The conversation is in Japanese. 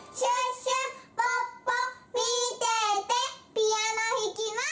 ピアノひきます！